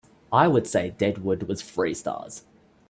I would say Dead Wood was three stars